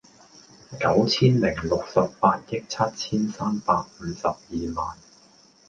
九千零六十八億七千三百五十二萬